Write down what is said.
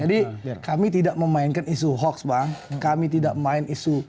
jadi kami tidak memainkan isu hoax bang kami tidak memainkan isu